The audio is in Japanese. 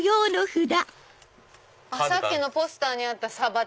さっきのポスターにあったサバ。